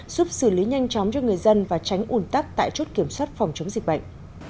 giúp xử lý nhanh chóng cho người dân và tránh ủn tắc tại chốt kiểm soát phòng chống dịch bệnh